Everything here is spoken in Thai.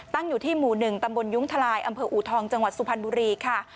อยู่ที่หมู่๑ตำบลยุ้งทลายอำเภออูทองจังหวัดสุพรรณบุรีค่ะ